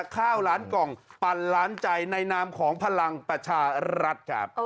ข้าวล้านกล่องปันล้านใจในนามของพลังประชารัฐครับ